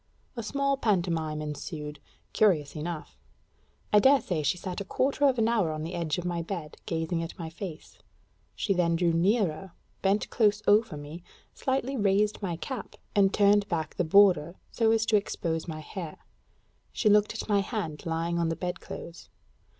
A small pantomime ensued, curious enough. I dare say she sat a quarter of an hour on the edge of my bed, gazing at my face. She then drew nearer, bent close over me; slightly raised my cap, and turned back the border so as to expose my hair; she looked at my hand lying on the bed clothes.